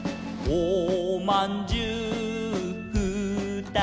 「おまんじゅうふーたつ」